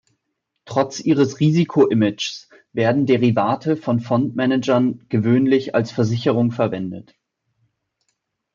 Trotz ihres Risiko-Images werden Derivate von Fondsmanagern gewöhnlich als Versicherung verwendet.